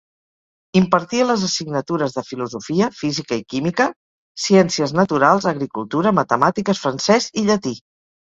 Impartia les assignatures de filosofia, física i química, ciències naturals, agricultura, matemàtiques, francès i llatí.